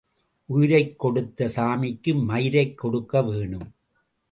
உயிரைக் கொடுத்த சாமிக்கு மயிரைக் கொடுக்க வேணும்.